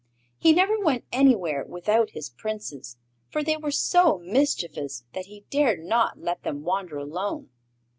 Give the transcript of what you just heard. He never went anywhere without his Princes, for they were so mischievous that he dared not let them wander alone.